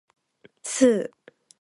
スー